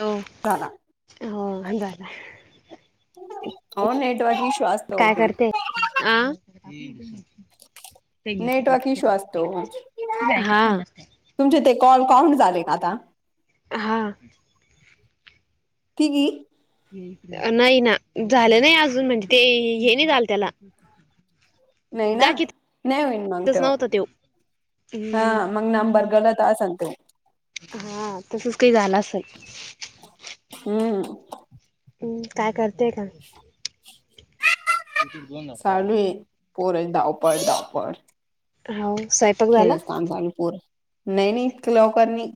हो झाला हो अं झाला. अ नेट वाज श्वासत. हम्. ते नेटवर्क इश्यू असतो हा. कोण झाले ना आता. हा. तघी. ह नाहीय ना. झालं नाही अजून म्हणजे ते हे नाही झालं त्याला. नाही ना दाखीतच नाही होईन मग ते नव्हता तो हा हम्म मग नांबरगला. का सते. हा तसच काही झालं अस. ह. हम् काय करतेय का. चालू आहे पोरण धावपळ धावपळ. हो. स्वयंपाक झाला खेडस्थान झा पूर नाही इक लवकरणी.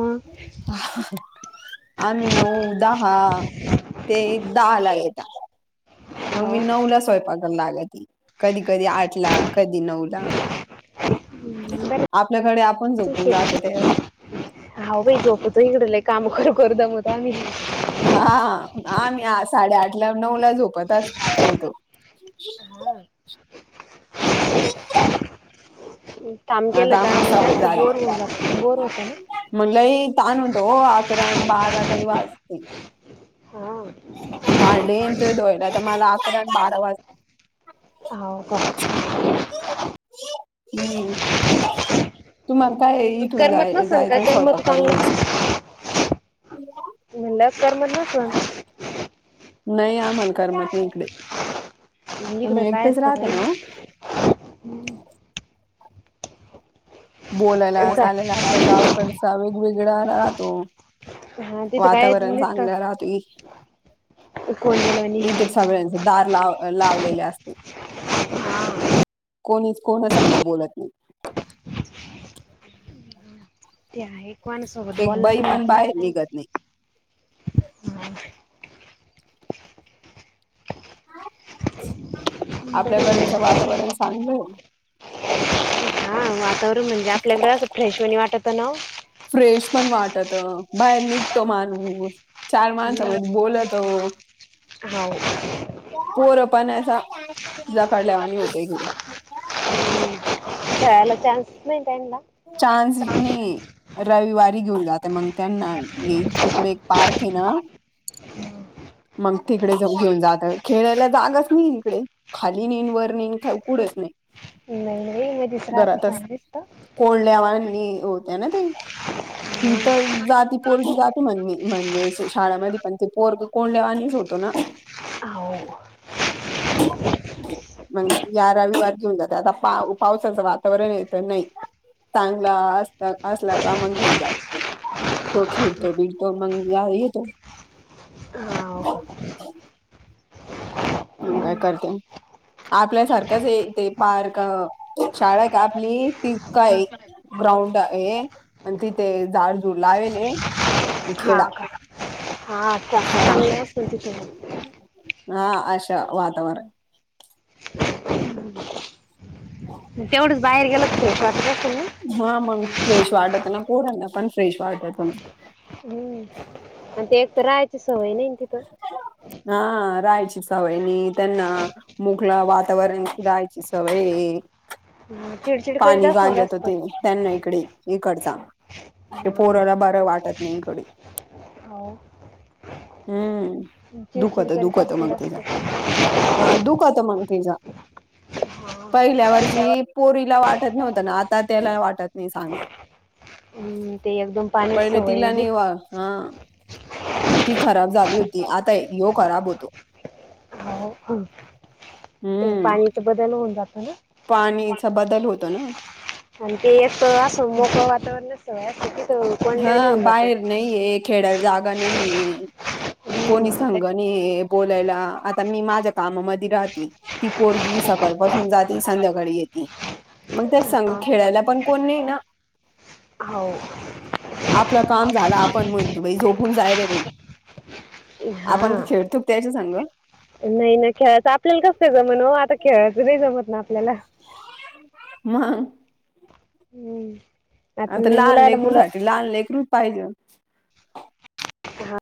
मग ह. आम्ही नऊ दहा ते दहा ला येत. मग हो मी नऊ ला स्वयंपाकला लागत. कधी कधी आठ ला कधी नऊ ला. बर आपल्याकडे आपण झोपून जाते ते. हा भाई झोपत इकडला काम करू कर दमत आम्ही. नऊ ला झोपतच होतो. हा [inaudible] काम केलं आता का आम्हाला आम जास्त बोर हो बोर होत ना. म्हण लई तानवतो आकररान बारा लय वाजते. हा भारडेथ दोयला तर मला अकरा बारा वाजता. हो का हम्म. तुम्हाला काय इथून करमत जाय नसेल का जायचं स्वयत करमत करून चांगलं घ्यायचं. हला. तर मण नसण मल कर म इकडे इकडे आम्ही एकटेच रायसई राहते ना ओ बोलायला जा चालेला आपल्या गावाकडचा वेगवेगळा राहतो हा तिथं काय वातावरण नुसतं चांगलं राहतो कोण बोलवणी इथे सगळ्यांच दार लाव लावलेले असते कोणी कोणा सांग बोलत नाही ते आहे कोणासोबत एक बला बाई ह पण बाहेर निघत नाही आपल्याकडच बरं वातावरण सांगलं हा वातावरण म्हणजे आपल्याकडे असं फ्रेश म्हनी वाटतं ना फ्रेश पण वाटत बाहेर निघतो मानू चार माणसामध्ये बोलत हो हो पोरं पणचा जकारड लावानी होते क खयला चानस नाही त्यांना चान्स इतने रविवारी घेऊन जाते मग त्यांना ये तिकडे एक पार्क आहे ना ह. मग तिकडे जाऊ घेऊन जात. खेळायला जागच नाही इकडे, खाली नहीं, वर नाही, का कुठच नाही. नाही रे मग दुसर आता सांगलीस तर ल्यावानी होत्या ना ते, ही तर जाती पोरशी जाती म्हण म्हणजे शाळामध्ये पण ते पोरग कोल्हावाणीच होतो ना. हो [inaudible] मग याारविवार घेऊन जाते आता पा पावसाचं वातावरण येतं नाही चांगला असता असला का मग घेऊ जा तो खेळतो बीतो मंग या तो हा हो का ह काय करते आपल्यासारखंच य ते पार्क शाळा का आपली ती हा काय का ग्राउंड आहे आणि तिथे झाडझुड लावेल हा का हा्छ हा हा चांग हा अशा वातावरण तेवढंच बाहेर गेलच नाही शवा हा मग फ्रेश वाटत ना पूरण ना पण फ्रेश वाटत हो ना हम्म आणि ते एक तर राहायची सवय नाही तिथं हा राहायचीच हवय न त्यांना मुकलं वातावरण राहायचीच हवय ह पाणी गांजत होते त्यांना इकडे इकडचा हे हा पोराला बरं वाटत नाही इकडे हो हम्म चिडचिड दुखत करीत दुखत असेल मंकेज जास्त अह दुखत मंकेज हा पहिल्या वर्षी पोरी तला वाटत नव्हत ना आता त्याला वाटत नाही सांग हम्म, ते एकदम पाण्याची पहिले सवय तिला आहे. नि वा हा ती खराब झाली होती आता यो खराब होतो ह ते हम्म पाणी तर बदल होत प ना पाणीचा बदल होतो ना आणि ते एक असं मोकळ वातावरणतोय अस हा बाहेर नाही आहे खेळायला जागा नाही कोणी हम्म ते संगा नाही बोलायला आता मी माझ्या कामामध्ये राहते ती पोरगी सकाळ पासून जाते संध्याकाळी येते मग त्या संघ हा खेळायला पण कोण नाही ना. हो... आपलं काम झाला आपण म्हणतो बाई झोपून जाय रे बाई. हा आपण का खेळतोक त्यायच सांग.. नाही नाही खेळायचं आपल्याला कसं जमन हो आता खेळायचं नाही जमत ना आपल्याला. म. हम्म. आता लहान मुलाला लेकरू मुलं साठी लहान लेकरू पाहिजे. हा.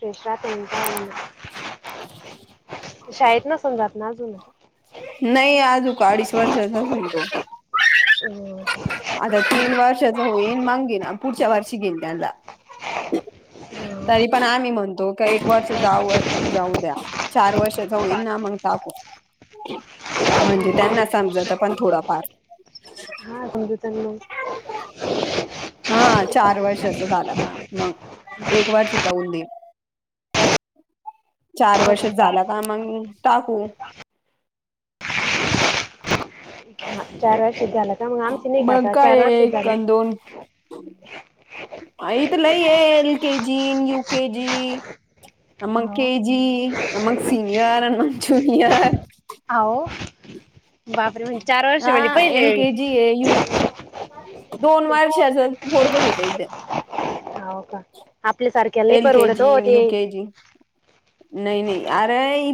फेशात शाळेत नसून जात ना अजून. नाहीय आजु का अडीच वर्ष झा त. हम. आता तीन वर्षाच हो येन मगे ना पुढच्या वर्षी गेल त्याला. ह. तरी पण आम्ही म्हणतो क एक वर्ष जाऊ जाऊ द्या चार वर्ष जाऊईन ना मग टाकू. म्हणजे त्यांना समजत पण थोडाफार. हा म. हो. हा चार वर्षच झालं काम मग एक वर्ष जाऊन देन. ढ चार वर्षात झाला का मग टाकू. ढ. चार वर्षे झालेत. मग काय एक दोन आ तर लय आहे एल केजी यु केेजी आ मग के हो जी आ मग सीनियर आणि मग जुनियर हो बाबरे म्हणजे चार वर्ष हा म्हणजे एल पहिले के जी आहे यू दोन वर्षाचं पोरक ग घेते ते हो का आपल्या सारखे एल के जी यु के जी नाही नाही आर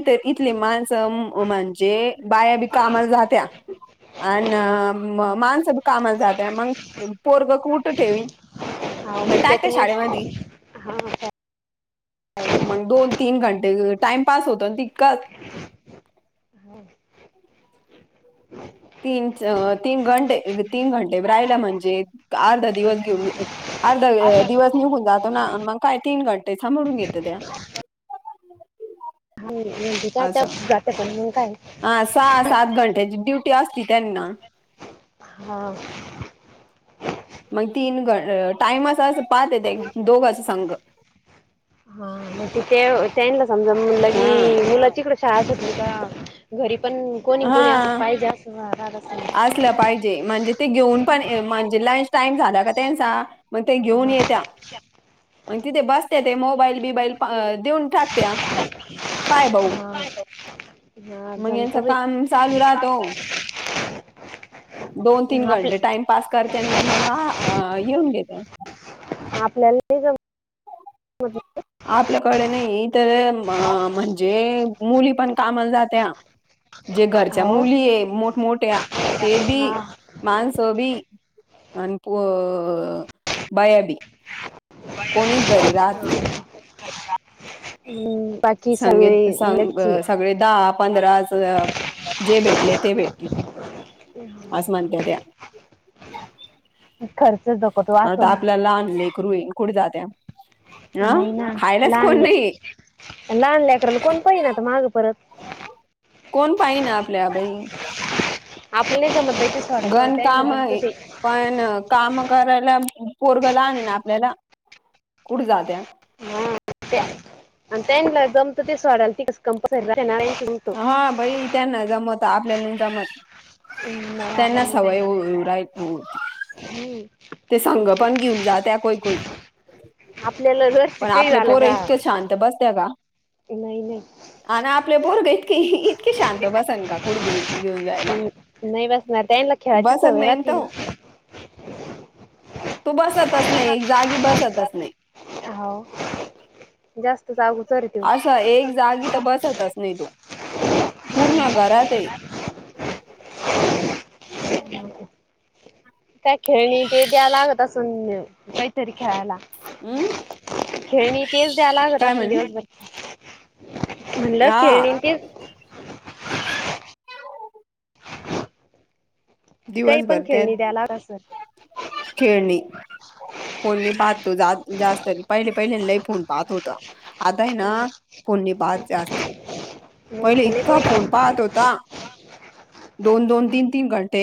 त इथले माणसं म्हणजे बाया बी कामाला जात्या हा अ माणस कामात जातय मग पोरग कुठं ठेवीन हा मग टाक का शाळेमध्ये त्याच्यामुळे हा मग दोन तीन घंटे टाइम पास होतो तितकंच हा. तीन तीन घंटे तीन घंटे राहिला म्हणजे अर्धा दिवस घेऊन अर्धा दिवस निघून जातो ना मग काय तीन घंटे सांभरून घेत त्या ह कायच्या असं जात पण. काय हा सहा सात घंट्याची ड्युटी असती त्यांना हा. मग तीन ग टाइम असं असं पाहते दोघा सांग ग तनला समजा म्हणलं हा की मुलाची इकडं शाळा सुटली का घरी पण कोणी कोणी असं हा पाहिजे असं असेल. असलं पाहिजे म्हणजे ते घेऊन पण म्हणजे लंच टाइम झाला का ते मग ते घेऊन हा येत्या. मग तिथे बसते ते मोबाईल बिबाईल देऊन टाकते काय भाऊ हा मग यांच जमत बाई काम चालू राहतो दोन तीन आप घंटे टाइम पास करते आणि मग येऊन घेते. आपल्याला नाही जमत आपल्याकडे नाही तर अ म्हणजे मुली पण कामाला जाते जे घरच्या हो मुली आहे मोठमोठ्या ते बी हा माणसं बी अन पू बायाबी कोणीच घरी राहत नाही हम्म. बाकी संगी सगळे सं लगेच सगळे दहा पंधरा जे भेटले ते भेटले असं म्हणते त्या हो. आता आपल्याला लहान लेकरू आहे कुठे जात्या अं नाही ना खायलाच लहान कोण नाही लहान लेकराला कोण पहिल ना तर मागं परत कोण पाई ना आपल्या बाई आपल्याला जमतंय घर काम पण काम करायला पोरबला आण ना आपल्याला कुठे जात्या त्याला जमत ते सोडायलात कंपनीत जात हा बाई त्यांना जमत आपल्याला नाही नाही जमत त्यांना आलेलं सवय नाही राय होती हम्म ते संग पण घेऊन जा त्या कोई कोई शिकायला का नाही नाही नाही नाही आणि आपले बोरग इतकीे इतकीे शांत बसन का कुडे घेऊन जायला नाही बस ना त्याला खेळाची बसत सवय नाही राहते तो न. तू बसतच नाही एक जागी बसतच नाही. हो जास्त जागून. असं एक जागी तर बसतच नाही तो पूर्ण.. घरात आहे. काय खेळणी ते द्याय लागत असून काहीतरी खेळायला. हम् खेळणी तेच द्यायला लागत काय असून म्हणे दिवसभर. म्हनलं खेळणी टेच. रिकामा ऑडिओ काही पण दिवसभर त्या खेळणी द्या लागत असल खेळणी. फोन मी पाहतो जास्त पहिले पहिल्या ल फोन पाहत होता.. आता आहे ना फोन नाही पाहत जास्त. पहिले इतका फोन पाहत होता दोन दोन तीन तीन घं ते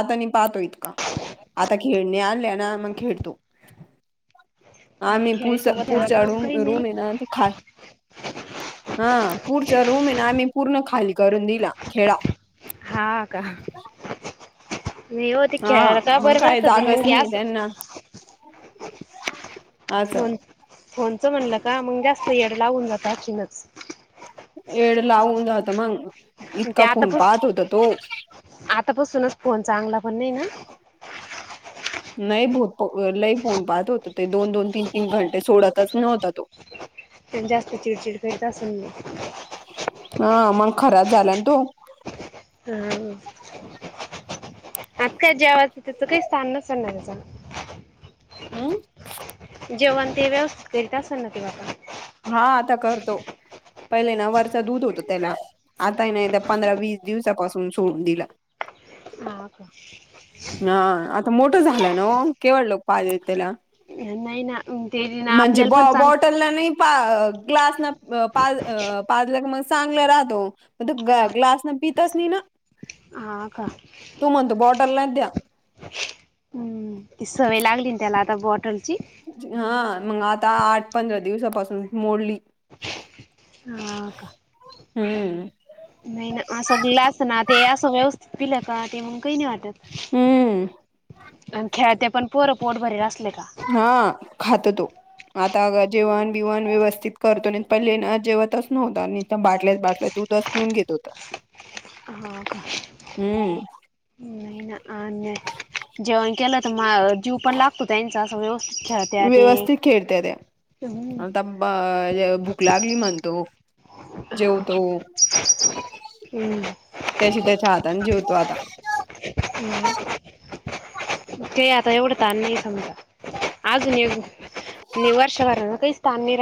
आता नि पाहतो इतका.. आता खेळणे आले ना मग खेळतो. नाही आम्ही खेळ पुर सोबत ह्याला पुढच्या काम रूम काही नाही रूम ये ना खा, हा पुढचा रूम आहे ना आम्ही पूर्ण खाली करून दिला खेळा. हा का. नाही हो ते हा खेळा का मग बरं काय राहत पण जागच मग नाही अस? त्यांना अस. फोनचं म्हणलं का मग जास्त येड लावून जात आणखीनच. एड लावून जात मग. ते इतका फोन आतापस पाहत होता तो आतापसूनच फोन चांगला पण नाही ना. नाही भत लई पोऊन पाहत होत ते दोन दोन तीन तीन घंटे सोडतच नव्हता तो. [unintelligible] खराच झाला तो. हम. आज काय जेवाचं त्याचं काही स्थान नसेल ना त्याच हम्म. जेवण ते व्यवस्थित करीता असना ते मक हा आता करतो. पहिले ना वरचा दूध होत त्याला आताही ना एकदा पंधरा वीस दिवसापासून सोडून दिला. ह का? हा आता मोठं झालंय न केवळ लोक पाहिज त्याला. नाही ना ते ना म्हणजे ब आपल्याला पण चांग बॉटलला नाही. [unintelligible] तिथंच तीन.. ह का? [unintelligible] हम्म ती सवय लागली ना त्याला आता बॉटल. हा मंग आता आठ पंधरा दिवसापासून मोडली. हा का हम्म नाही. असं दिलाच ना ते असं व्यवस्थित दिलं का ते... हम्म [unintelligible] हा खात तो. आता जेवण बिवाण व्यवस्थित करतो नाही पण लेण जेवतच नव्हत बाटल्याच बाटल्या दूध [unintelligible] पिऊन घेत होता. हम्म [unintelligible] जेवण केलं तर म जीव पण लागतो त्यांचा अस व्यवस्थित खेळत्या तें. व्यवस्थित खेळत्या त्या आता भूक लागली म्हणतो. हा. त्याच्या त्याच्या हाताने जेवतो आता. [inaudible] अजून एक नि वर्ष काही स्थान नि